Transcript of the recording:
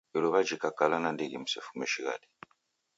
Iruw'a jhikakala nandighi msefume shighadi.